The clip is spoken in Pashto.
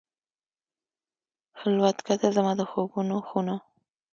خلوتکده، زما د خوبونو خونه